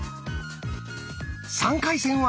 ３回戦は。